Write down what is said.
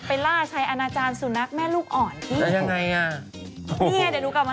ไปล่าชายอาจารย์สู่นักแม่ลูกอ่อน